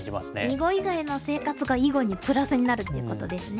囲碁以外の生活が囲碁にプラスになるっていうことですね。